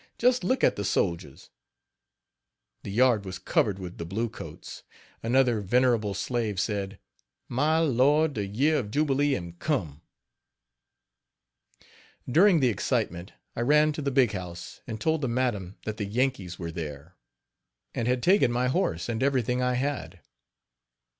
just look at the soldiers!" The yard was covered with the blue coats. Another venerable slave said: "My Lord! de year of jubilee am come." During the excitement I ran to the big house, and told the madam that the Yankees were there, and had taken my horse and everything I had.